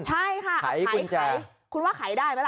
ใช่ค่ะขายคุณว่าขายได้ไหมล่ะ